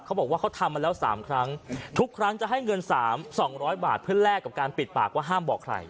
เขาบอกว่าเขาทำมาแล้ว๓ครั้งทุกครั้งจะให้เงิน๓๒๐๐บาทเพื่อแลกกับการปิดปากว่าห้ามบอกใคร